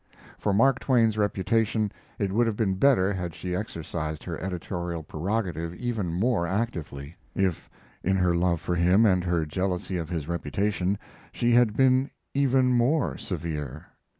For Mark Twain's reputation it would have been better had she exercised her editorial prerogative even more actively if, in her love for him and her jealousy of his reputation, she had been even more severe.